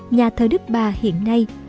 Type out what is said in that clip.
nhà thờ đức bà hiện nay